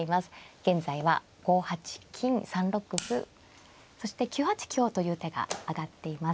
現在は５八金３六歩そして９八香という手が挙がっています。